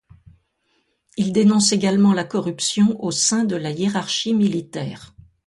Il dénonce également la corruption au sein de la hiérarchie militaire.